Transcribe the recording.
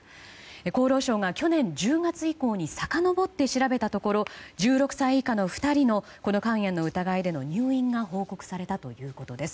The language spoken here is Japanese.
厚労省が去年１０月以降にさかのぼって調べたところ１６歳以下の２人のこの肝炎の疑いでの入院が報告されたということです。